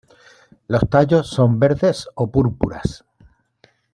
Los tallos son verdes o púrpuras.